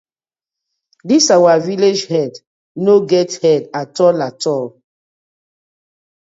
Dis our villag head no get head atoll atoll oo.